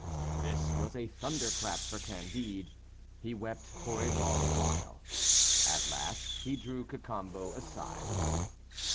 This was a thunderclap for Candide: he wept for a long while. At last he drew Cacambo aside.